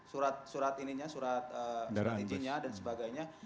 surat surat ininya surat strateginya dan sebagainya